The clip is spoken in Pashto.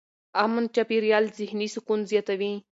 امن چاپېریال ذهني سکون زیاتوي.